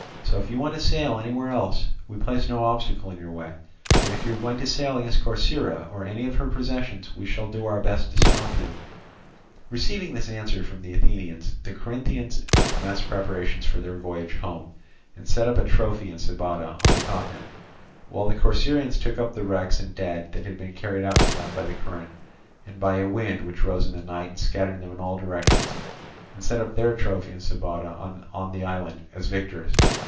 So if you want to sail anywhere else, we place no obstacle in your way; but if you are going to sail against Corcyra, or any of her possessions, we shall do our best to stop you." Receiving this answer from the Athenians, the Corinthians commenced preparations for their voyage home, and set up a trophy in Sybota, on the continent; while the Corcyraeans took up the wrecks and dead that had been carried out to them by the current, and by a wind which rose in the night and scattered them in all directions, and set up their trophy in Sybota, on the island, as victors.